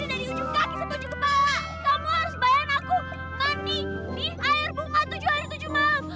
sampai jumpa di video selanjutnya